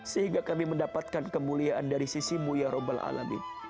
sehingga kami mendapatkan kemuliaan dari sisimu ya rabbil alamin